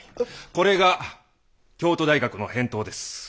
これが京都大学の返答です。